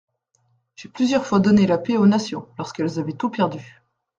»J'ai plusieurs fois donné la paix aux nations, lorsqu'elles avaient tout perdu.